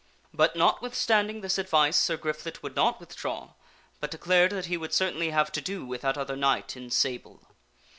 But, notwithstanding this advice, Sir Griflet would not withdraw but declared that he would certainly have to do with that other knight in sable.